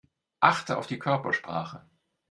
Achte auf die Körpersprache.